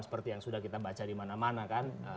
seperti yang sudah kita baca di mana mana kan